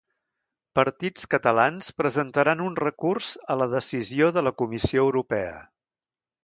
Partits catalans presentaran un recurs a la decisió de la Comissió Europea